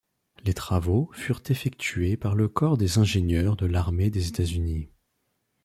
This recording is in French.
Les travaux furent effectués par le Corps des ingénieurs de l'armée des États-Unis.